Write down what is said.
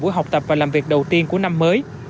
buổi học tập và làm việc đầu tiên của năm mới